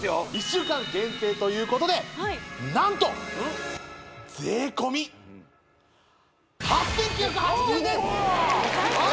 １週間限定ということで何と税込８９８０円です！わあ！